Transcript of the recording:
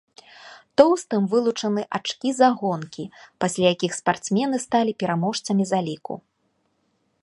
Тоўстым вылучаны ачкі за гонкі, пасля якіх спартсмены сталі пераможцамі заліку.